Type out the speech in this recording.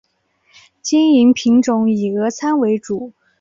经营品种以俄餐为主。